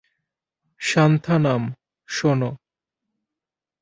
সান্থানাম, শোনো।